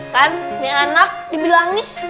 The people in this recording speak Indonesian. kan ini anak dibilangin